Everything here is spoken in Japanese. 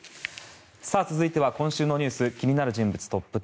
続いては今週のニュース気になる人物トップ１０。